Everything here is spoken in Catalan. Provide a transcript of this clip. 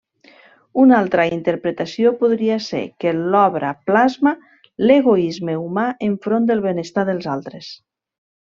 Una altra interpretació podria ser que l'obra plasma l'egoisme humà enfront del benestar dels altres.